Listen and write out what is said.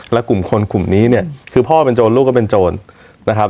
และกลุ่มคนกลุ่มนี้เนี่ยคือพ่อเป็นโจรลูกก็เป็นโจรนะครับ